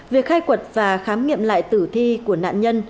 việc khai quật và khám nghiệm lại tử thi của nạn nhân